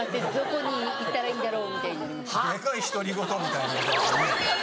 デカい独り言みたいな。